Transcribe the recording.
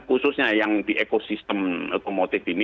khususnya yang di ekosistem otomotif ini